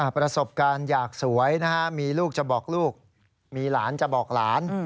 ประสบการณ์อยากสวยมีลูกจะบอกลูกมีหลานจะบอกหลาน